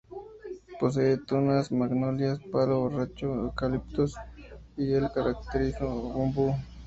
Posee tunas, magnolias, palo borracho, eucaliptos y el característico ombú.